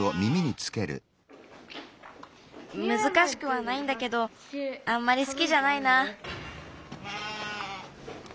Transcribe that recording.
むずかしくはないんだけどあんまりすきじゃないな。